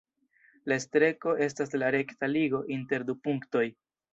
La Streko estas la rekta ligo inter du punktoj.